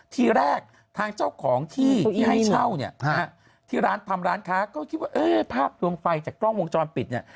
ทีแรกทางเจ้าของที่ที่ให้เช่าเนี่ยที่ร้านทำร้านค้าก็คิดว่าเอ๊ะภาพดวงไฟจากกล้องวงจรปิดเนี่ย